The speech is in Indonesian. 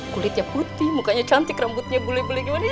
kulitnya putih mukanya cantik rambutnya bule bule gimana